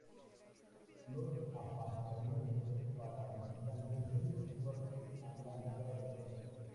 Los aparcamientos para visitantes deben situarse a la entrada de la ciudad